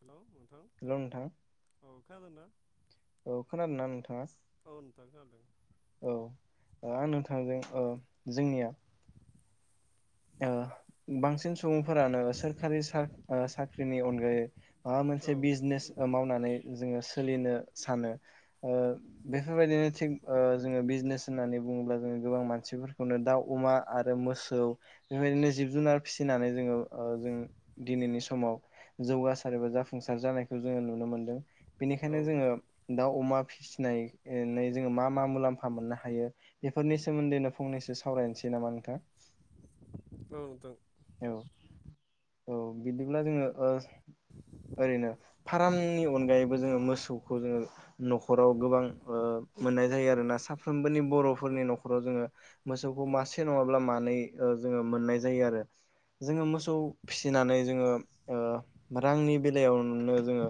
Hello hello नोंथां औ खोनादोंना औ खोनादोंना नोंथाङा औ नोंथां खोनादों औ आं नोंथां नोंथांजों ओ जों जोंनिया ओ बांसिन सुबुंफोरानो सोरखारि सा साख्रिनि अनगायै माबा औ मोनसे बिजनेस मावनानै जोङो सोलिनो सानो ओ बेफोरबायदिनो थिग ओ जोङो ओ बिजनेस होननानै बुङोब्ला जों गोबां मानसिफोरखौनो दाउ अमा आरो मोसौ बेबायदिनो जिब जुनार फिसिनानै जोङो जों दिनैनि समाव जौगासार एबा जाफुं सार जानायखौ जोङो नुनो मोनदों औ बेनिखायनो जोङो नोंथां दाउ अमा फिसिनाय जोङो मा मा मुलाम्फा मोननो हायो बेफोरनि सोमोन्दैनो फंनैसो सावरायनोसै नामा नोंथां औ नोंथां औ औ बिदिब्ला जोङो ओ ओरैनो फारामनि अनगायैबो जोङो मोसौखौ जोङो न'खराव गोबां ओ मोननाय जायो आरोना साफ्रोमबोनि औ बर'फोरनि न'खराव जोङो मोसौखौ मासे नङाब्ला मानै जोङो मोननाय जायो आरो जोङो मोसौ फिसिनानै जोङो ओ रांनि बेलायावनो जोङो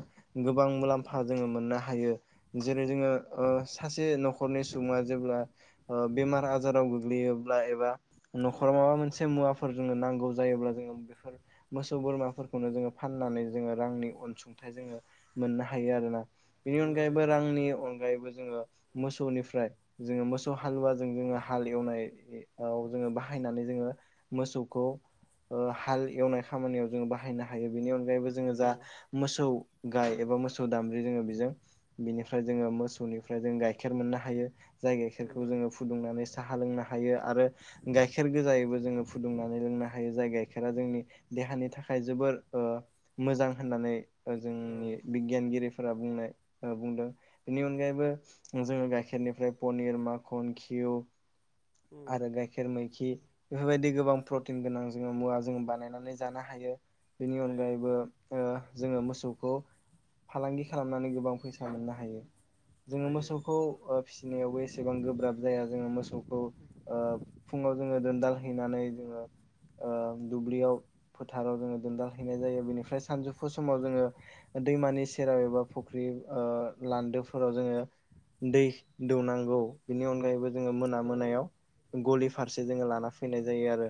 गोबां मुलाम्फा जोङो मोननो हायो जेरै जोङो ओ दे सासे न'खरनि सुबुङा जेब्ला बेमार आजाराव गोग्लैयोब्ला एबा औ न'खराव माबा मोनसे मुवाफोर जोंनो नांगौ जायोब्ला जोङो बेफोर मोसौ बोरमाफोरखौनो जोङो फाननानै जोङो रांनि अनसुंथाइ जोङो मोननो हायो आरोना बेनि मोननो हायो अनगायैबो ओं रांनि अनगायैबो जोङो मोसौनिफ्राय जोङो मोसौ हालुवाजों जोङो हाल एवनाय जोङो बाहाय नानै जोङो मोसौखौ ओ हाल एवनाय खामानियाव जों बाहायनो हायो बेनि अनगायैबो जोङो औ जा मोसौ गाय एबा मोसौ दामब्रि जोङो बेजों बिनिफ्राय जोङो मोसौनिफ्राय जों गाइखेर मोननो हायो जाय गाइखेरखौ मोननो जोङो फुदुंनानै साह लोंनो हायो आरो गाइखेर गोजायैबो जोङो फुदुंनानै लोंनो हायो जाय गाइखेरा जोंनि देहानि थाखाय जोबोर ओ मोजां होननानै ओ हायो औ जोंनि बिगियानगिरि फोरा बुंनाय बुंदों बेनि अनगायैबो जोङो गाइखेरनिफ्राय पनिर माखन खि खिउ उम आरो गाइखेर मैखि बेफोरबायदि गोबां प्रतिन गोनां जोङो मुवा जों बानायनानै जानो हायो बेनि हायो ओं अनगायैबो ओ जोङो मोसौखौ फालांगि खालामनानै गोबां फैसा मोननो हायो जोङो हायो मोसौखौ ओ फिसिनायावबो एसेबां गोब्राब जाया जोङो मोसौ खौ ओ फुङाव जोङो दोनदाल हैनानै ओ ओ दुब्लियाव फोथाराव जोङो दोनदाल हैनाय जायो बेनिफ्राय सानजौफु समाव जोङो दैमानि सेराव एबा फुख्रि ओ लान्दोफोराव जोङो दै दौनांगौ बेनि अनगायैबो जोङो मोना औ मोनायाव गलि फारसे जोङो लाना फैनाय जायो आरो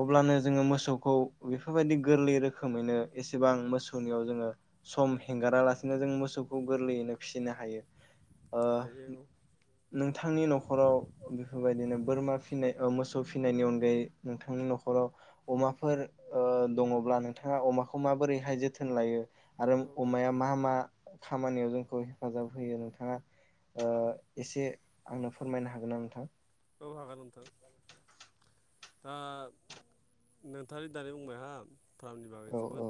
औ अब्लानो जोङो मोसौखौ बेफोरबायदि गोरलै रोखोमैनो एसेबां मोसौनियाव जोङो सम हेंगारालासिनो जों मोसौखौ गोरलैयैनो फिसिनो हायो ओ हायो नों नोंथांनि न'खराव बेफोरबादिनो बोरमा फिसिनाय मोसौ फिसिनायनि अनगायै नोंथांनि न'खर न'खराव अमाफोर ओ दङब्ला नोंथाङा अमाखौ माबोरैहाय जोथोन लायो आरो औ अमाया मा मा खामानियाव जोंखौ हेफाजाब होयो नोंथाङा ओ एसे आंनो फोरमायनो हागोन नामा नोंथां औ हागोन नोंथां ओ नोंथाङादि दानि बुंबाय हा फार्मनि बागै औ औ जोबोद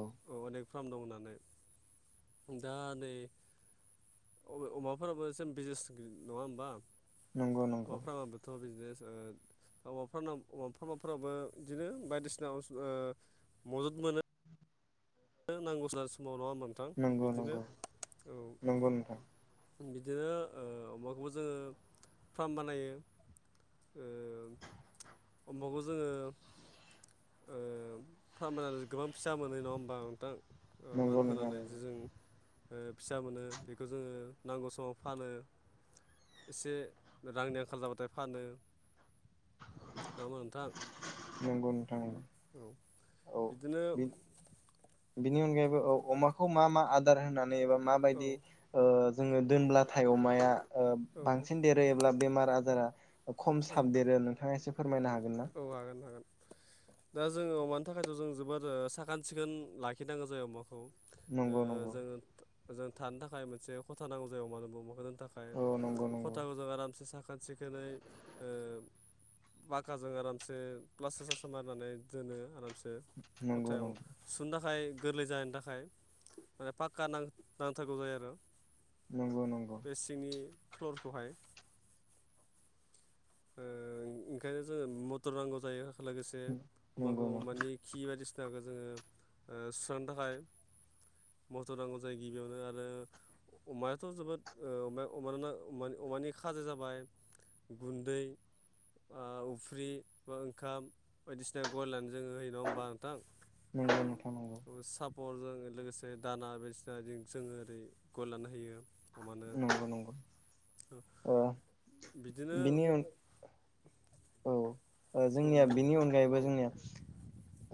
अनेक फार्म दं होननानै दा नै अमाफोराबो सेम बिजनेस नङा होमबा नंगौ नंगौ हौवाफ्राबाबोथ' बिजनेस ओ अमा फार्म अमा फार्मफोराबो बिदिनो बायदिसिना ओ अजद मोनो नांगौ जानाय समावल' नोंथां नंगौ बिदिनो नंगौ औ नंगौ नोंथां बिदिनो ओ अमाखौबो जोङो फार्म बानायो ओ अमाखौ जोङो ओ फारमा गोबां फिसा मोनो नङा होमबा थां वान नंगौ नोंथां नंगौ होनानैसो जों फिसा मोनो बेखौ जोङो नांगौ समाव फानो एसे रांनि आंखाल जाबाथाय फानो औ नोंथां नंगौ नोंथांमोन औ औ बिदिनो बि बिनि अनगायैबो अमाखौ मा मा आदार होनानै एबा औ माबायदि जोङो दोनब्लाथाय अमाया औ बांसिन देरहोयोब्ला बेमार आजारा खम औ साब देरो नोंथाङा एसे फोरमायनो हागोन ना? औ हागोन हागोन दा जोङो अमानि थाखायथ' जों जोबोद साखोन सिखोन लाखिनांगौ जायो अमाखौ नंगौ नंगौ जों जों थानो थाखाय मोनसे खथा नांगौ जायो मानो होनबा माखौ थाखाय औ नंगौ नंगौ खथाखौ जों आरामसे साखोन सिखोनै आाजों आरामसे प्लास्टार सासार मारनानै दोनो आरामसे नंगौ खथायाव सु थाखाय थाखाय गोरलै जाहैनि थाखाय माने पक्का नां नांथारगौ जायो आरो नंगौ नंगौ बे सिंनि फ्लरखौहाय ओंखायनो जोङो मथर नांगौ जायो लोगोसे अमाखौ नंगौ नंगौ अमानि खि बायदिसिना फखौ जोङो सुस्रांनो थाखाय मथर नांगौ जायो गिबियावनो आरो अमायाथ' जोबोदमाया अमाना अमानि खाजो जाबाय गुन फ्रि ओंखाम बायदिसिना ग जोङो हो नङा होमबा नोंथां नंगौ नोंथां नंगौ साब बरजों लोगोसे दाना बायदिना जोङो ओरै गय लानो होयो अ मानो नंगौ नंगौ ओ बिदिनो बिनि अन औ औ जोंनिया बि बेनि औ अनगायैबो जोंनिया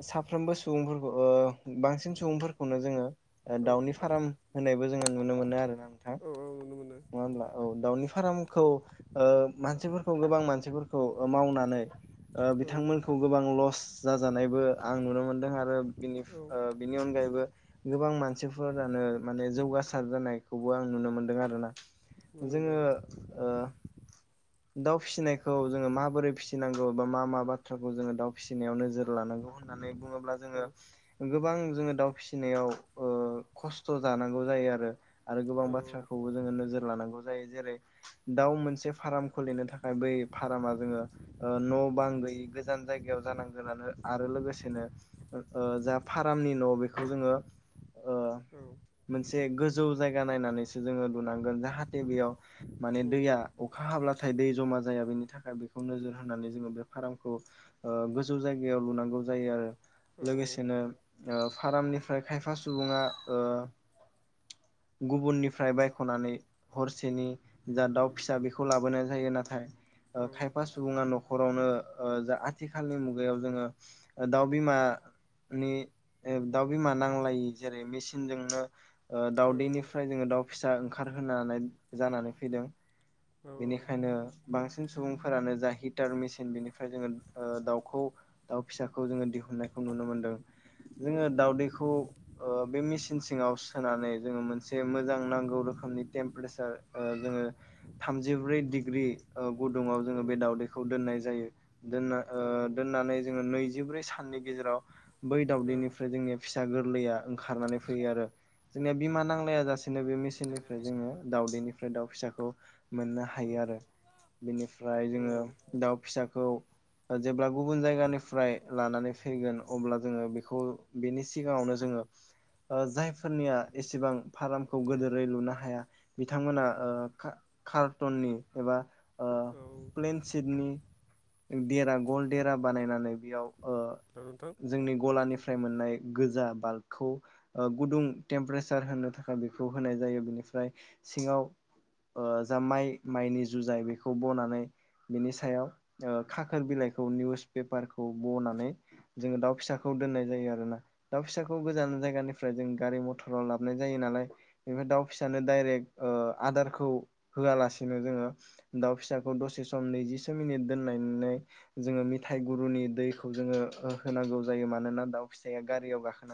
साफ्रोमबो सुबुंफोरखौ बांसिन सुबुंफोरखौनो जोङो औ दाउनि फार्म होनायबो जोङो नुनो मोनो आरोोना नोंथां। औ नुनो मोनो नङा होनब्ला औ दाउनि फार्म। मानसिफोरखौ गोबां मानसिफोरखौ मावनानै। औ बिथांमोनखौ गोबां लस जाजानायबो आं नुनो मोनदों आरो। नुनो बिनि अनगायैबो गोबां मानसिफोरानो माने जौग जानायखौबो आं नुनो मोनदों आरोोना मोनदों जोङो। दाउ फिसिनायखौ जोङो माबोरै फिसिनांगौ बा मा मा बाथ्राखौ जोङो दाउ फिसिनायाव नोजोर। होननानै बुङोब्ला औ जोङो गोबां। जोङो दाउ फिसिनायाव खस्थ' जानांगौ जायो आरो। आरो गोबां औ बाथ्राखौबो जोङो नोजोर लानांगौ जायो जेरै दाउ मोनसे फार्म। खुलिनो थाखाय बै फार्मा जोङो न' बां गैयै गोजान जायगायाव जानांगोन आरो। लोगोसेनो जा फार्मनि न' बेखौ जोङो। औ। गोौ जाया नायनानै जोङो लांगोन जाहाथे बेयाव मान दै अखा हाब्ला दै जमा जाया बेनि थाखाय बेखौ नोजोर होनानै जोङो बे फार्मखौ गोजौ जायगायाव लुनांगौ जायो आरो। औ लोगोसेनो फार्मनिफ्राय खायफा सुबुङा। गुबुननिफ्राय बायख'नानै हरसेनि जा दाउ फिसा बेखौ लाबोनो। नाथाय खायफा सुबा न'ख न'खरावनो जा आथिखालनि मुगायाव जोङो दाउ बिमा। नि दाउ बिमा नांलाय जेरै मेसिनजोंनो। दाउदैनिफ्राय जोङो दाउ फिसा ओंखारहोनानै जानानै फैदों। बेनिखायनो बांसिन बांसिन सुबुंफोरानो जा हिटार मेसिन बेनिफ्राय जोङो दाउखौ दाउ फिसाखौ जोङो दिहुननायखौ। नुनो मोनदों जोङो दावदैखौ बे मेसिन। सिं सिङाव सोनानै जोङो मोनसे मोजां नांगौ रोखोमनि टेम्पारेसार जोङो। थामजिब्रै डिग्रि गुदुङाव औ जोङो बे दावदैखौ दोननाय जायो। दना औ औ दोननानै जोङो नैजिब्रै साननि गेजेराव बै औ दावदैनिफ्राय जोंनि फ फिसा गोरलैया ओंखारनानै फैयो आरो जोंनिया बिमा नांलाया जासेनो बे निफ्राय जोङो दाउदैनिफ्राय दाउ फिसाखौ। मोननो हायो औ आरो बेनिफ्राय औ जोङो दाउ फिसाखौ। जेब्ला गुबुन जायगानिफ्राय लानानै फैगोन अब्ला जोङो बेखौ बेनि सिगाङावनो। ज जायफोरनिया एसेबां फार्मखौ गोदोरै लुनो हाया बिथांमोना कार्टननि एबा। औ प्लेन सिटनि देरा गल देरा बानायनानै बेयाव। हेल' नोंथां जोंनि गलानिफ्राय मोननाय गोजा बाल्बखौ गुदुं टेम्पारेसार होनो थाखाय बेखौ होनाय जायो बेनि। ओमफ्राय सिङाव जा माइ माइनि जुजाय बेखौ बनानै। बिनि सायाव खाखोर बिलाइखौ निउस पेपारखौ बनानै। जोङो दाउ फिसाखौ दोननाय जायो आरोोना दाउ फिसाखौ गोजान जायगानिफ्राय जों गारि मथराव लाबाय जायो। ालाय बेनिफ्राय दाउ फिसानो दडायरेक आदारखौ। होआलासेनो जोङो दाउ फिसाखौ दसे सम नैजिसे मिनिट दोननानै जोङो। मेथाइ गुरुनि दैखौ जोङो होनांगौ जायो मानोना दाउ फिसाइया गारियाव गाखोनानै।